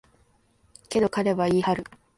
けど、彼は言い張る。